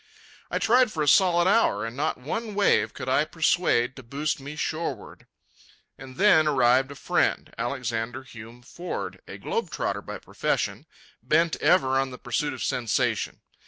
I tried for a solid hour, and not one wave could I persuade to boost me shoreward. And then arrived a friend, Alexander Hume Ford, a globe trotter by profession, bent ever on the pursuit of sensation.